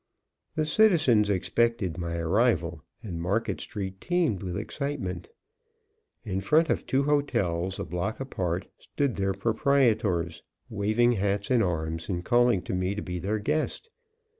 The citizens expected my arrival, and Market street teemed with excitement. In front of two hotels, a block apart, stood their proprietors waving hats and arms, and calling to me to be their guest.